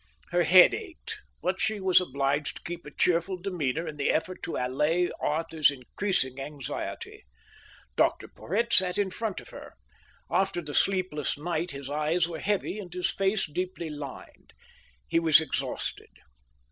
Her head ached, but she was obliged to keep a cheerful demeanour in the effort to allay Arthur's increasing anxiety. Dr Porhoët sat in front of her. After the sleepless night his eyes were heavy and his face deeply lined. He was exhausted.